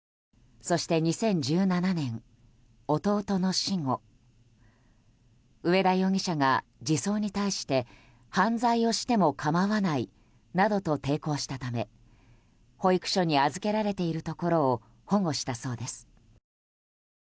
そして、２０１７年弟の死後上田容疑者が児相に対して犯罪をしても構わないなどと抵抗したため保育所に預けられているところを保護したそうです。